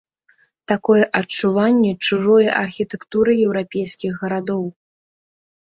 Такое адчуванне чужое архітэктуры еўрапейскіх гарадоў.